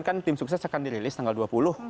kan tim sukses akan dirilis tanggal dua puluh